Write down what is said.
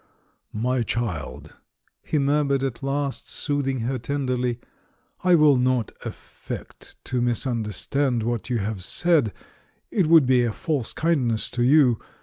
"My child," he murmured at last, soothing her tenderly, "I will not affect to misunderstand what you have said — it would be a false kindness to you.